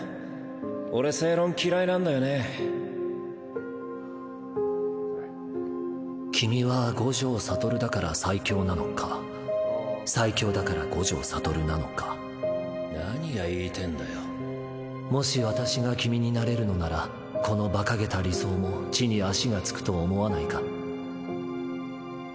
俺正論嫌君は五条悟だから最強なのか最強だから五条悟なのか何もし私が君になれるのならこのバカげた理想も地に足が着くと思わないか？